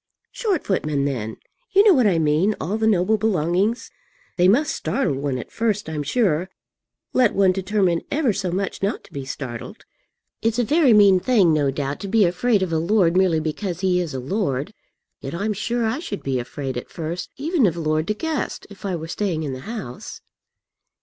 "Short footmen then, you know what I mean; all the noble belongings. They must startle one at first, I'm sure, let one determine ever so much not to be startled. It's a very mean thing, no doubt, to be afraid of a lord merely because he is a lord; yet I'm sure I should be afraid at first, even of Lord De Guest, if I were staying in the house."